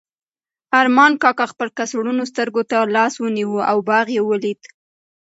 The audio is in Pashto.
ارمان کاکا خپلو کڅوړنو سترګو ته لاس ونیو او باغ یې ولید.